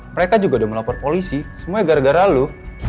mereka juga udah melapor polisi semuanya gara gara lalu